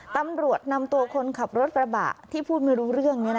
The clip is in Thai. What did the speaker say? ตำรวจนำตัวคนขับรถกระบะที่พูดไม่รู้เรื่อง